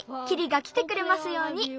キリがきてくれますように。